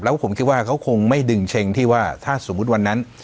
แล้วผมคิดว่าเขาคงไม่ดึงเช็งที่ว่าถ้าสมมุติวันนั้น